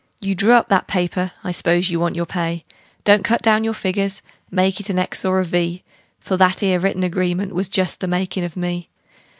You drew up that paper I s'pose you want your pay. Don't cut down your figures; make it an X or a V; For that 'ere written agreement was just the makin' of me.